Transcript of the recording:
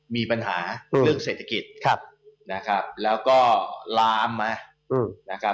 มีปัญหาเรื่องเศรษฐกิจแล้วก็ล้ามมา